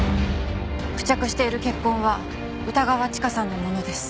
付着している血痕は歌川チカさんのものです。